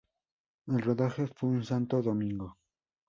El rodaje fue en Santo Domingo.